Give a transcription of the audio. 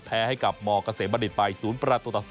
แพ้ให้กับมเกษมบัณฑิตไป๐ประตูต่อ๒